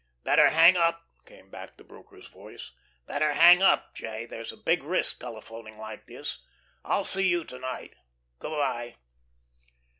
"Better hang up," came back the broker's voice. "Better hang up, J. There's big risk telephoning like this. I'll see you to night. Good by."